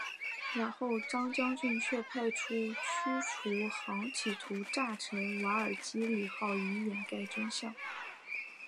然后张将军却派出驱逐舰企图炸沉瓦尔基里号以掩盖真相。